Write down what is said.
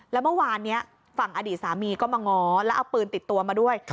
แล้วเมื่อวานนี้ฝั่งอดีตสามีก็มาง้อแล้วเอาปืนติดตัวมาด้วย